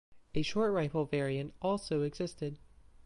A short rifle variant also existed.